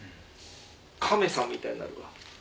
カメさんみたいになるわ。